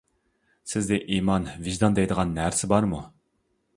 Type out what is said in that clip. سىزدە ئىمان، ۋىجدان دەيدىغان نەرسە بارمۇ؟ !